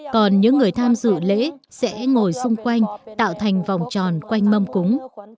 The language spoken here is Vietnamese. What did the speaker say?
còn những người tham dự lễ sẽ ngồi xung quanh tạo thành vòng tròn quanh mâm cúng